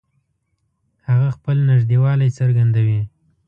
هغه خپل نږدېوالی څرګندوي